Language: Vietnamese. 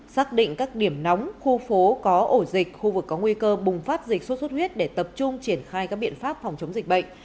xác định các điểm nóng khu phố có ổ dịch khu vực có nguy cơ bùng phát dịch sốt xuất huyết để tập trung triển khai các biện pháp phòng chống dịch bệnh